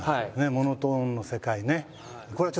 モノトーンの世界ね。